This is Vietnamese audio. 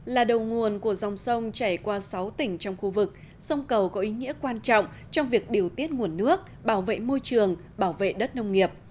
là đầu nguồn của dòng sông chảy qua sáu tỉnh trong khu vực sông cầu có ý nghĩa quan trọng trong việc điều tiết nguồn nước bảo vệ môi trường bảo vệ đất nông nghiệp